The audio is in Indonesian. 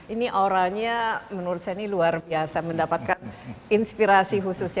ini auranya menurut saya ini luar biasa mendapatkan inspirasi khususnya